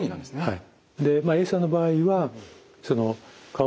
はい。